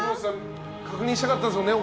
確認したかったんですよね。